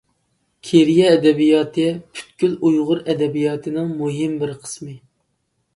كېرىيە ئەدەبىياتى پۈتكۈل ئۇيغۇر ئەدەبىياتىنىڭ مۇھىم بىر قىسمى.